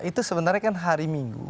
itu sebenarnya kan hari minggu